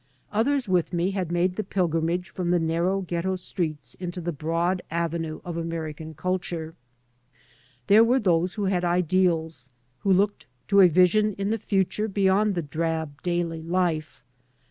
Others with me had made the pilgrimage from the narrow ghetto streets into the broad avenue of American culture. There were th(»e who had ideals, who looked to a vision in the future beyond the drab daily life.